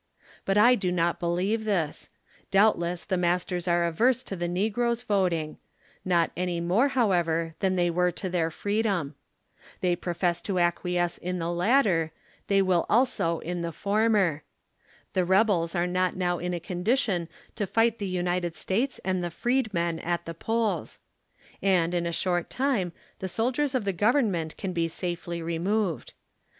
16 But I do not believe this; doubtless the masters are averse to the negroes voting ; not an}^ more however, than they were to their freedom. They profess to acquiesce in the lat ter, they ^^'ill also in the former. The rebels are not now in a condition to fight the United States and the freedmen at the polls. And in a short time the soldiers of the Gov ernment can be safely removed.